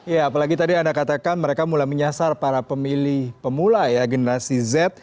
ya apalagi tadi anda katakan mereka mulai menyasar para pemilih pemula ya generasi z